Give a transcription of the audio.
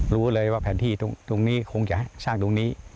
รู้เลยว่าแผนที่ตรงนี้คงจะให้สร้างตรงนี้